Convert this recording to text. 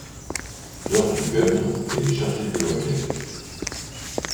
George Gunn est chargé de l'enquête.